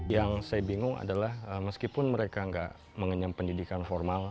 yang saya bingung adalah meskipun mereka nggak mengenyam pendidikan formal